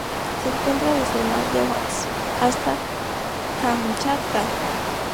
Se encuentra desde el Mar de Ojotsk hasta Kamchatka.